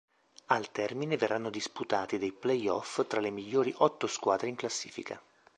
Al termine verranno disputati dei play-off fra le migliori otto squadre in classifica.